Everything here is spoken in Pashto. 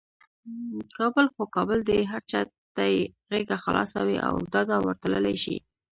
کابل خو کابل دی، هر چاته یې غیږه خلاصه وي او ډاده ورتللی شي.